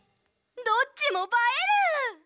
どっちもばえる！